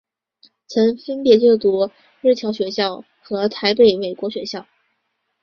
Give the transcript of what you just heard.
曾分别就读日侨学校与台北美国学校。